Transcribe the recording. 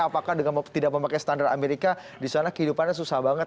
apakah dengan tidak memakai standar amerika di sana kehidupannya susah banget